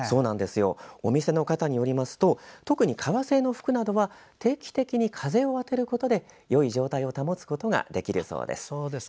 お店の方によりますと特に革製の服などは定期的に風を当てることでよい状態を保つことが出来るそうです。